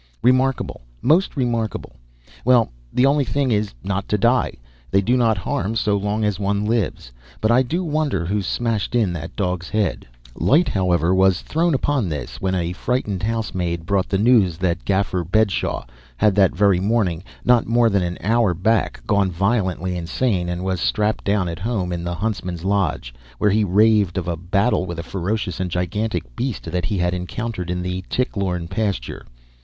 Remarkable! Most remarkable! Well, the only thing is not to die. They do not harm so long as one lives. But I do wonder who smashed in that dog's head." Light, however, was thrown upon this when a frightened housemaid brought the news that Gaffer Bedshaw had that very morning, not more than an hour back, gone violently insane, and was strapped down at home, in the huntsman's lodge, where he raved of a battle with a ferocious and gigantic beast that he had encountered in the Tichlorne pasture.